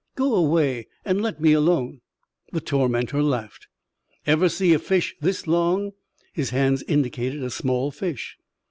"Go away and let me alone." The tormentor laughed. "Ever see a fish this long?" His hands indicated a small fish.